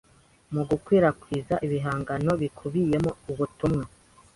mu gukiwrakwiza ibihangano bikubiyemo ubutumwa